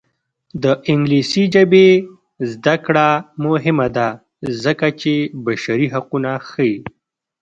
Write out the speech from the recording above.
د انګلیسي ژبې زده کړه مهمه ده ځکه چې بشري حقونه ښيي.